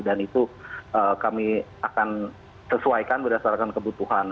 dan itu kami akan sesuaikan berdasarkan kebutuhan